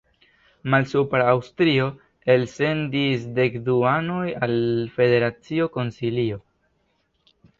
Malsupra Aŭstrio elsendis dek du anoj al federacio konsilio.